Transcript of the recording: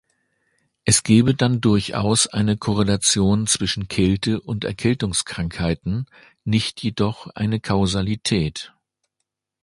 Es gäbe dann durchaus eine Korrelation zwischen Kälte und Erkältungskrankheiten, nicht jedoch eine Kausalität.